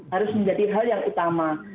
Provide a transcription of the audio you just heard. harus menjadi hal yang utama